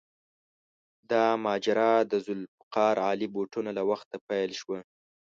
دا ماجرا د ذوالفقار علي بوټو له وخته پیل شوه.